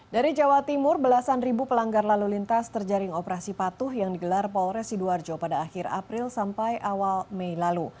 dari jawa timur belasan ribu pelanggar lalu lintas terjaring operasi patuh yang digelar polres sidoarjo pada akhir april sampai awal mei lalu